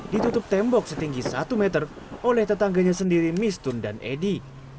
ditutup tembok setinggi satu meter oleh tetangganya sendiri mistun dan edi